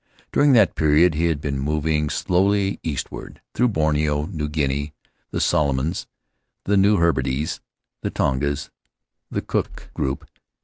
During that period he had been moving slowly eastward, through Borneo, New Guinea, the Solomons, the New Hebrides, the Tongas, the Cook In the Cloud of Islands Group.